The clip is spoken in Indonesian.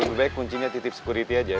lebih baik kuncinya titip security aja